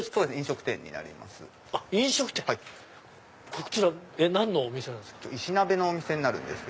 こちら何のお店なんですか？